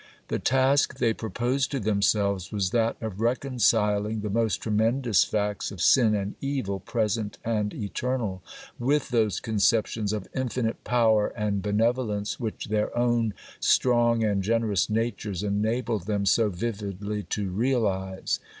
The task they proposed to themselves was that of reconciling the most tremendous facts of sin and evil, present and eternal, with those conceptions of Infinite Power and Benevolence which their own strong and generous natures enabled them so vividly to realize.